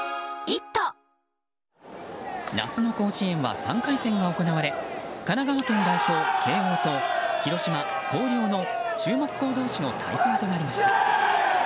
夏の甲子園は３回戦が行われ神奈川県代表・慶應と広島・広陵の注目校同士の対戦となりました。